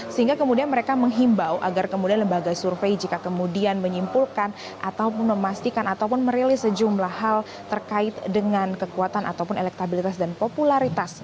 sehingga kemudian mereka menghimbau agar kemudian lembaga survei jika kemudian menyimpulkan ataupun memastikan ataupun merilis sejumlah hal terkait dengan kekuatan ataupun elektabilitas dan popularitas